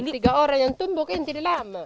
tiga orang yang tumbuk ini tidak lama